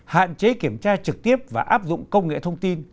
hạn chế kiểm tra trực tiếp và áp dụng công nghệ thông tin